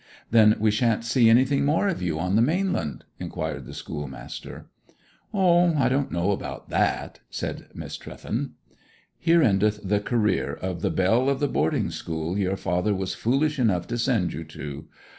'Then we shan't see anything more of you on the mainland?' inquired the schoolmaster. 'O, I don't know about that,' said Miss Trewthen. 'Here endeth the career of the belle of the boarding school your father was foolish enough to send you to.